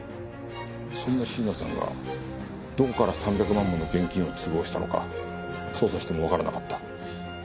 そんな椎名さんがどこから３００万もの現金を都合したのか捜査してもわからなかった。